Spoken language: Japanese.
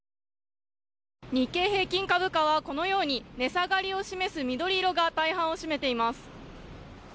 日経平均株価はこのように値下がりを示す緑色が大半を占めています。